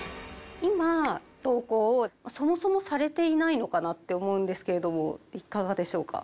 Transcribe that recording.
今投稿をそもそもされていないのかなって思うんですけれどもいかがでしょうか？